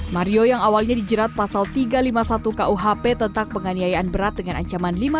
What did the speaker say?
mario yang awalnya dijerat pasal tiga ratus lima puluh satu kuhp tentang penganiayaan berat dengan ancaman